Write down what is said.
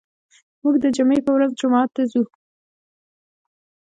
موږ د جمعې په ورځ جومات ته ځو.